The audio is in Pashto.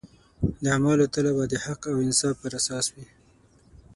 د اعمالو تله به د حق او انصاف پر اساس وي.